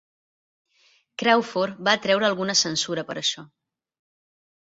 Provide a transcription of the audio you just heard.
Crawford va atreure alguna censura per això.